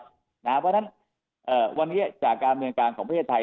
เพราะฉะนั้นวันนี้จากการเมืองการของประเทศไทย